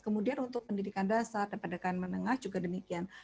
kemudian untuk pendidikan dasar dan pendidikan menengah juga demikian